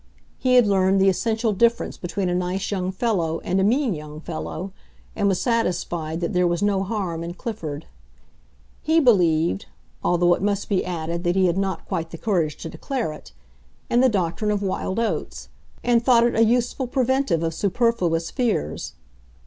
He had learned the essential difference between a nice young fellow and a mean young fellow, and was satisfied that there was no harm in Clifford. He believed—although it must be added that he had not quite the courage to declare it—in the doctrine of wild oats, and thought it a useful preventive of superfluous fears.